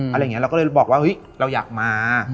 อะไรอย่างนี้เราก็เลยบอกว่าเฮ้ยเราอยากมา